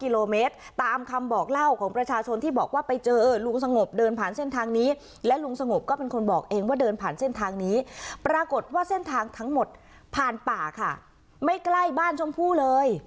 ลุงสงบเดินผ่านเส้นทางนี้และลุงสงบก็เป็นคนบอกเองว่าเดินผ่านเส้นทางนี้ปรากฏว่าเส้นทางทั้งหมดผ่านป่าค่ะไม่ใกล้บ้านชมพูเลย